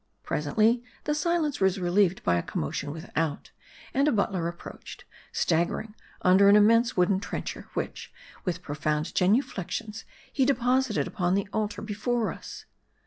Presently, the silence was relieved by a commotion with out : and a butler approached, staggering under an immense wooden trencher ; which, with profound genuflexions, he de posited upon the altar before us.